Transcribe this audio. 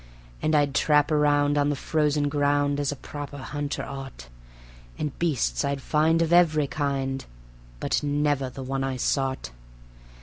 And I'd trap around on the frozen ground, as a proper hunter ought, And beasts I'd find of every kind, but never the one I sought.